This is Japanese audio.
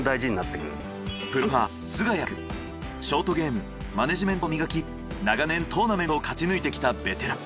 まずここに来てショートゲームマネジメントを磨き長年トーナメントを勝ち抜いてきたベテラン。